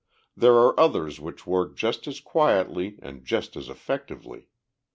There are others which work just as quietly and just as effectively.